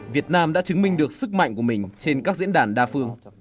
việt nam đã chứng minh được sức mạnh của mình trên các diễn đàn đa phương